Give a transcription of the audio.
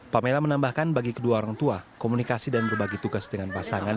pamela menambahkan bagi kedua orang tua komunikasi dan berbagi tugas dengan pasangan